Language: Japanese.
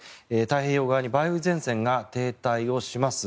太平洋側に梅雨前線が停滞をします。